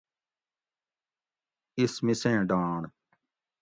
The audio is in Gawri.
اِس مِسیں ڈانڑ